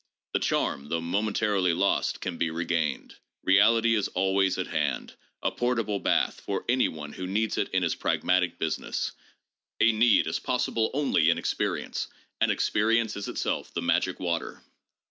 The charm, though momentarily lost, can be regained. Reality is always at hand, a portable bath for any one who needs it in his pragmatic business : a need is pos sible only in experience, and experience is itself the magic water.